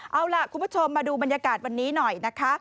เอาล่ะคุณผู้ชมมาดูบรรยากาศวันนี้หน่อยนะคะ